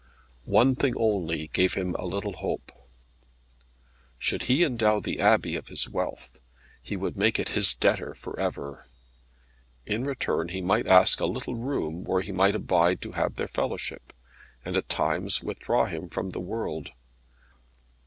One thing only gave him a little hope. Should he endow the Abbey of his wealth, he would make it his debtor for ever. In return he might ask a little room, where he might abide to have their fellowship, and, at times, withdraw him from the world.